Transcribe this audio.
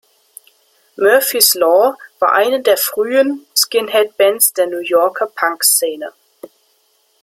Murphy’s Law war eine der frühen Skinhead-Bands der New Yorker Punk-Szene.